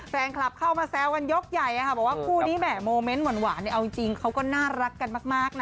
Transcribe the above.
แฟนคลับเข้ามาแซวกันยกใหญ่บอกว่าคู่นี้แหม่โมเมนต์หวานเนี่ยเอาจริงเขาก็น่ารักกันมากนะ